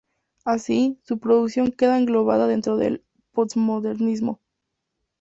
Así, su producción queda englobada dentro del postmodernismo.